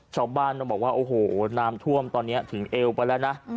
ชาวบ้านต้องบอกว่าโอ้โหน้ำท่วมตอนนี้ถึงเอวไปแล้วนะ